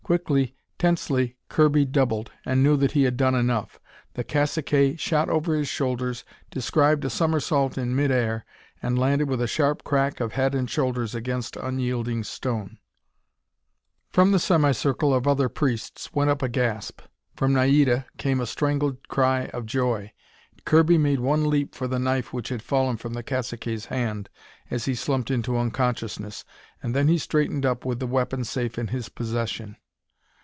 Quickly, tensely Kirby doubled, and knew that he had done enough. The cacique shot over his shoulders, described a somersault in midair, and landed with a sharp crack of head and shoulders against unyielding stone. From the semicircle of other priests went up a gasp. From Naida came a strangled cry of joy. Kirby made one leap for the knife which had fallen from the cacique's hand as he slumped into unconsciousness, and then he straightened up with the weapon safe in his possession.